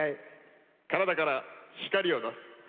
体から光を出す。